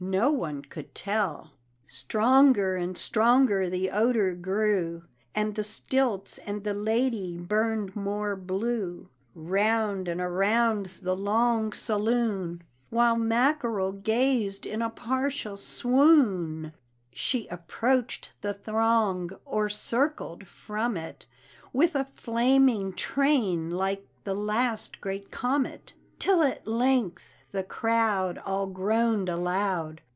no one could tell. Stronger and stronger the odor grew, And the stilts and the lady burned more blue; 'Round and around the long saloon, While Mackerel gazed in a partial swoon, She approached the throng, or circled from it, With a flaming train like the last great comet; Till at length the crowd All groaned aloud.